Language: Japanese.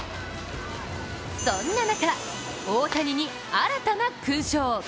そんな中、大谷に新たな勲章。